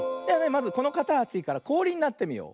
まずこのかたちからこおりになってみよう。